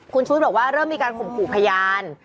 คุณชุวิตบอกว่าเริ่มมีการข่มขู่พยาน